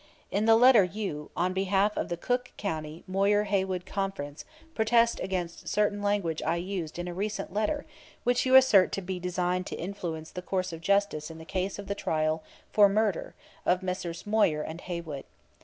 In the letter you, on behalf of the Cook County, Moyer Haywood conference, protest against certain language I used in a recent letter which you assert to be designed to influence the course of justice in the case of the trial for murder of Messrs. Moyer and Haywood.